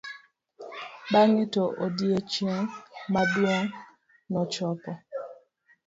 bange to odiochieng' maduong nochopo